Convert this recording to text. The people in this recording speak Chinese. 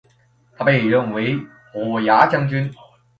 他被任为虎牙将军。